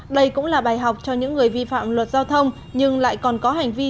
đây cũng là bài học cho những người vi phạm luật giao thông nhưng lại còn có hành vi